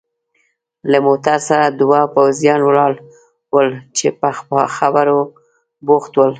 له موټر سره دوه پوځیان ولاړ ول چې په خبرو بوخت ول.